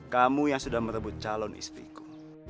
kamu yang sudah merebut calon istriku